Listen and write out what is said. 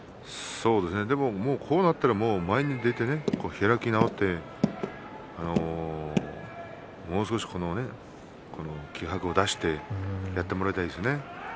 こうなったら前に出て開き直ってもう少し気迫を出してやってもらいたいですね。